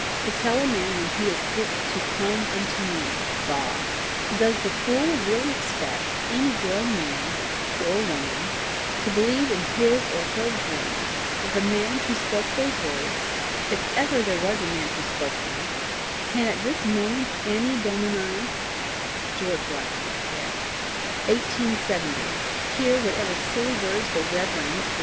To tell a man when he is hipped to COME UNTO ME! Bah! Does the fool really expect any grown man or woman to believe in his or her brain that the man who spoke those words, if ever there was a man who spoke them, can at this moment anni domini" George liked to be correct "1870, hear whatever silly words the Rev. Mr.